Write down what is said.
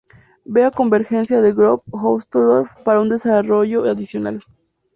Vea convergencia de Gromov-Hausdorff para un desarrollo adicional.